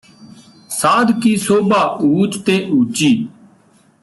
ਸਾਧ ਕੀ ਸੋਭਾ ਊਚ ਤੇ ਊਚੀ